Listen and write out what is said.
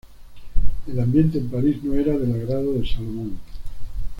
El ambiente en París, no era del agrado de Salomón.